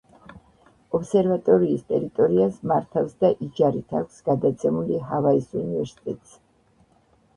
ობსერვატორიის ტერიტორიას მართავს და იჯარით აქვს გადაცემული ჰავაის უნივერსიტეტს.